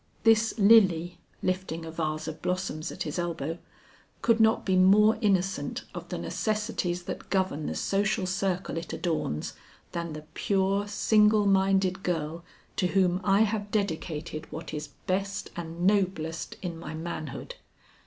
This lily," lifting a vase of blossoms at his elbow, "could not be more innocent of the necessities that govern the social circle it adorns, than the pure, single minded girl to whom I have dedicated what is best and noblest in my manhood.